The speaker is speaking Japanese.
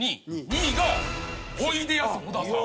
２位がおいでやす小田さん。